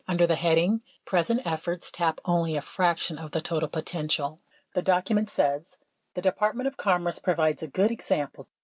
Under the heading "Present efforts tap only a fraction of the total potential," the document says : The Department of Commerce provides a good example.